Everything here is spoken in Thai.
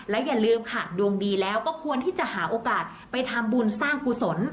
อย่าลืมค่ะดวงดีแล้วก็ควรที่จะหาโอกาสไปทำบุญสร้างกุศล